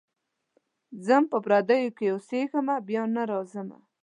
ځم په پردیو کي اوسېږمه بیا نه راځمه.